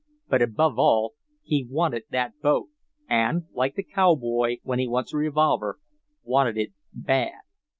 But, above all, he wanted that boat, and, like the cowboy when he wants a revolver, wanted it "bad."